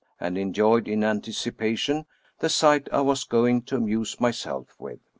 Robert Houdin enjoyed, in anticipation, the sight I was going to amuse myself with.